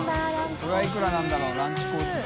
海譴いくらなんだろう？ランチコース